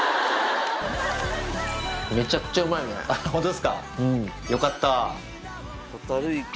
ホントですかよかった。